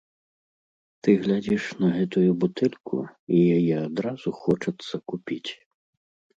Ты глядзіш на гэтую бутэльку, і яе адразу хочацца купіць.